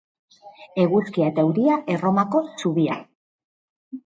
Eguzkia eta euria, Erromako zubia.